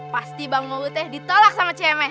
pasti bang oguhnya ditolak sama cewek